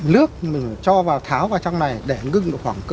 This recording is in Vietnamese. nước mình cho vào tháo vào trong này để ngưng được khoảng cơ